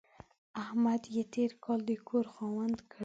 احمد يې تېر کال د کور خاوند کړ.